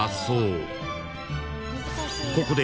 ［ここで］